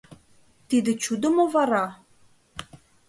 Тиде чудо мо вара?